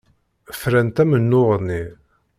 Frant amennuɣ-nni.